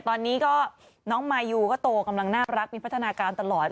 ตอนนี้ก็น้องมายูก็โตกำลังน่ารักมีพัฒนาการตลอด